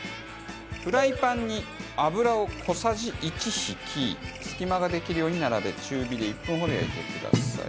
フライパンに油を小さじ１引き隙間ができるように並べ中火で１分ほど焼いてください。